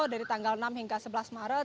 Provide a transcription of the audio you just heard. dari tanggal enam hingga sebelas maret